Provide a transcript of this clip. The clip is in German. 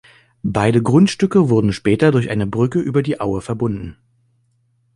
Beide Grundstücke wurden später durch eine Brücke über die Aue verbunden.